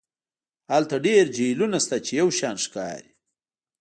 هلته ډیر جهیلونه شته چې یو شان ښکاري